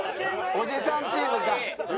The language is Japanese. おじさんチーム。